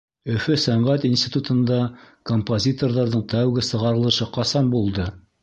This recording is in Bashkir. Өфө сәнғәт институтында композиторҙарҙың тәүге сығарылышы ҡасан булды?